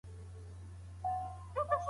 زموږ ننني کارونه زموږ سبا جوړوي.